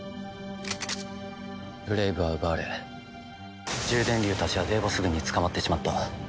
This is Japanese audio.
ブレイブは奪われ獣電竜たちはデーボス軍に捕まってしまった。